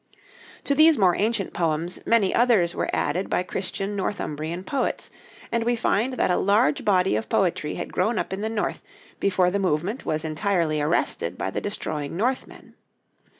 To these more ancient poems many others were added by Christian Northumbrian poets, and we find that a large body of poetry had grown up in the North before the movement was entirely arrested by the destroying Northmen.